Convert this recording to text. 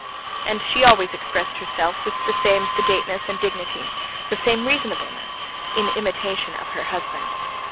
And she always expressed herself with the same sedateness and dignity, the same reasonableness, in imitation of her husband.